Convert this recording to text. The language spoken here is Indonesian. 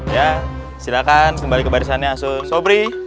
ya silahkan kembali ke barisannya asuh sobri